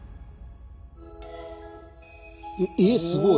えすごい。